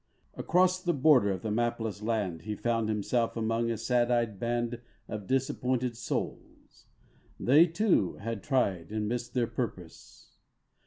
Across the border of the mapless land He found himself among a sad eyed band Of disappointed souls; they, too, had tried And missed their purpose.